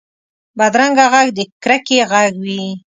بدرنګه غږ د کرکې غږ وي